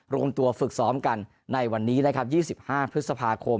รวมตัวฝึกซ้อมกันในวันนี้นะครับ๒๕พฤษภาคม